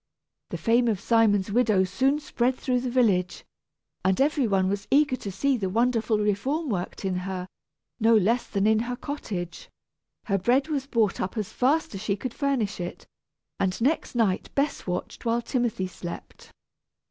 The fame of Simon's widow soon spread through the village, and every one was eager to see the wonderful reform worked in her, no less than in her cottage. Her bread was bought up as fast as she could furnish it, and next night Bess watched while Timothy slept.